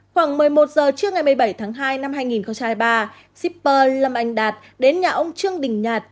khoảng một mươi một giờ trưa ngày một mươi bảy tháng hai năm hai nghìn hai mươi ba shipper lâm anh đạt đến nhà ông trương đình nhạt